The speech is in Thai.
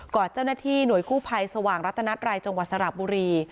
เจ้าหน้าที่หน่วยกู้ภัยสว่างรัตนัตรัยจังหวัดสระบุรี